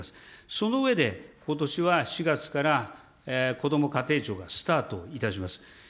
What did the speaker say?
その上で、ことしは４月からこども家庭庁がスタートをいたします。